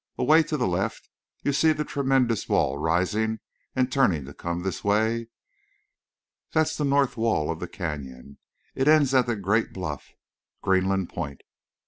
Away to the left you see the tremendous wall rising and turning to come this way. That's the north wall of the Canyon. It ends at the great bluff—Greenland Point.